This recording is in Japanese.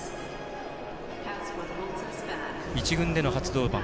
１軍での初登板。